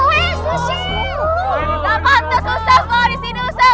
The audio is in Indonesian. gak pantas lu shal lu disini lu shal